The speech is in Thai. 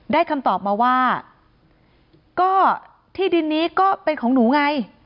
คำตอบมาว่าก็ที่ดินนี้ก็เป็นของหนูไง